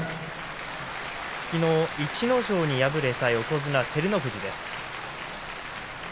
きのう、逸ノ城に敗れた横綱照ノ富士。